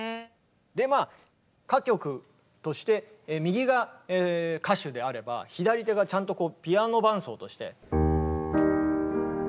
歌曲として右が歌手であれば左手がちゃんとこうピアノ伴奏として。